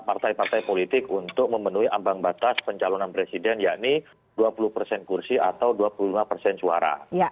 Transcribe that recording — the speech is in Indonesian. partai partai politik untuk memenuhi ambang batas pencalonan presiden yakni dua puluh persen kursi atau dua puluh lima persen suara